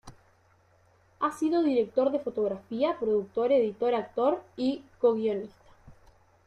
Ha sido director de fotografía, productor, editor, actor y coguionista.